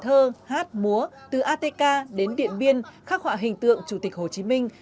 hồ cúc kịch thơ hát múa từ atk đến điện biên khắc họa hình tượng chủ tịch hồ chí minh